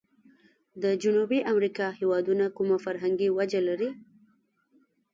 د جنوبي امريکا هیوادونو کومه فرمنګي وجه لري؟